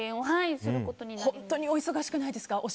本当にお忙しくないですか。